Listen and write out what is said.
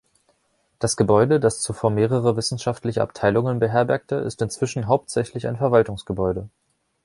Das Gebäude, das zuvor mehrere wissenschaftliche Abteilungen beherbergte, ist inzwischen hauptsächlich ein Verwaltungsgebäude.